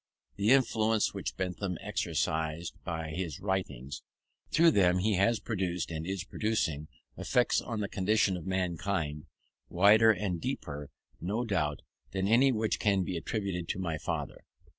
The influence which Bentham exercised was by his writings. Through them he has produced, and is producing, effects on the condition of mankind, wider and deeper, no doubt, than any which can be attributed to my father.